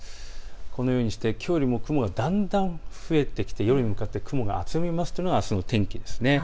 このようにして、きょうよりも雲がだんだん増えてきて夜にかけて雲が集まるのがあすの天気です。